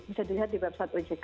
bisa dilihat di website ojk